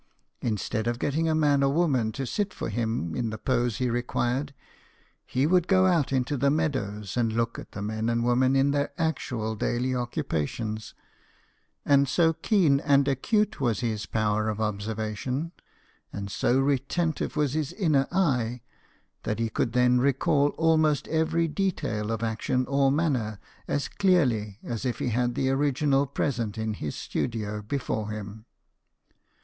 Instead of getting a man or woman to sit for him in the pose he required, he would go out into the meadows and look at the men and women at their actual daily occu pations ; and so keen and acute was his power of observation, and so retentive was his inner eye, that he could then recall almost every detail of action or manner as clearly as if he had the original present in his studio before him.